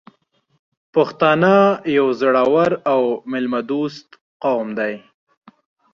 پښتانه یو زړور او میلمه دوست قوم دی .